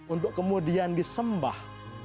untuk kemudian disembah